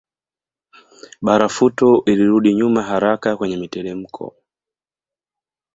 Barafuto ilirudi nyuma haraka kwenye mitelemko